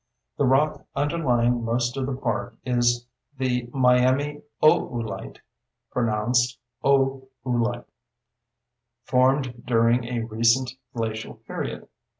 The rock underlying most of the park is the Miami Oölite (pronounced OH uh lite), formed during a recent glacial period.